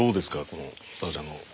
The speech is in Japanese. この紗来ちゃんの。